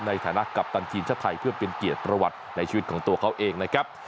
ในฐานะกัปตันทีมชาติไทยเพื่อเป็นเกียรติประวัติในชีวิตของตัวเขาเองนะครับ